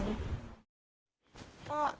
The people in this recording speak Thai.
เมืองต้นตำรวจแจ้งข้อหา